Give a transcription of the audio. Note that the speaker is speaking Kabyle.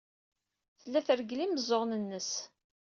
Tella treggel imeẓẓuɣen-nnes.